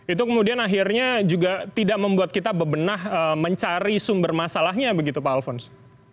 itu kemudian akhirnya juga tidak membuat kita bebenah mencari sumber masalahnya begitu pak alfons